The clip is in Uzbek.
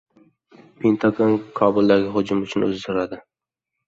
Pentagon Kobuldagi hujum uchun uzr so‘radi